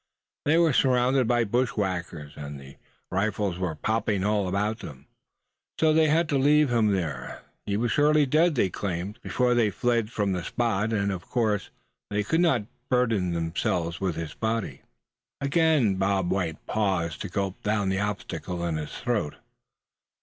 They were surrounded by bushwhackers, and the rifles were popping all about, so they had to leave him there. He was surely dead, they claimed, before they fled from the spot, and of course, suh, they could not burden themselves with his body." Again Bob White paused to gulp down the obstacle in his throat.